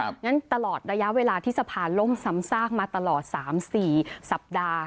งั้นตลอดระยะเวลาที่สะพานล่มซ้ำซากมาตลอด๓๔สัปดาห์